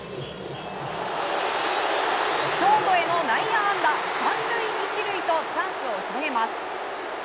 ショートへの内野安打、３塁１塁とチャンスを広げます。